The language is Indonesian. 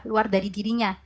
luar dari dirinya